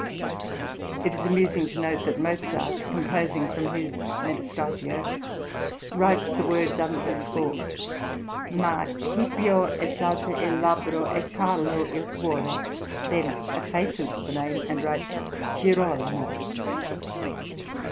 It is amusing to note that Mozart composing from his Metastasio, writes the words under his score: "Ma Scipio esalta il labbro e Carlo il cuore," then effaces the name and writes Girolamo.